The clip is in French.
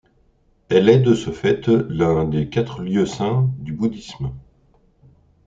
Elle est de ce fait l'un des quatre lieux saints du bouddhisme.